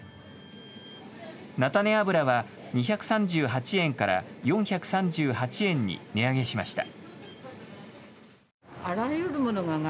菜種油は２３８円から４３８円に値上げしました。